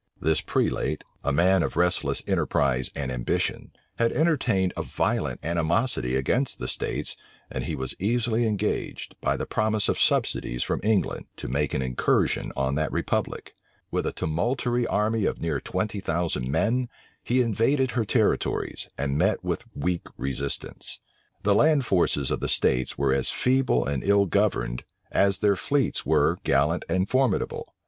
This prelate, a man of restless enterprise and ambition, had entertained a violent animosity against the states and he was easily engaged, by the promise of subsidies from England, to make an incursion on that republic. With a tumultuary army of near twenty thousand men, he invaded her territories, and met with weak resistance. The land forces of the states were as feeble and ill governed, as their fleets were gallant and formidable.